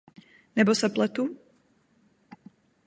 Nebo se pletu?